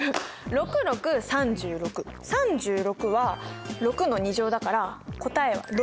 ６６３６３６は６の２乗だから答えは６！